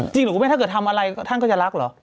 จริงหรือเปล่าถ้าเกิดทำอะไรท่านก็จะรักเหรอ